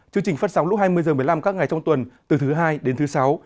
chương trình phát sóng lúc hai mươi h một mươi năm các ngày trong tuần từ thứ hai đến thứ sáu